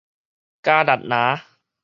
校栗林